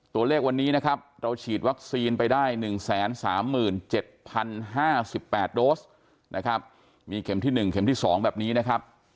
ตัวเลขวันนี้นะครับเราฉีดวัคซีนไปได้๑๓๗๐๕๘โดสนะครับมีเข็มที่๑เข็มที่๒แบบนี้นะครับ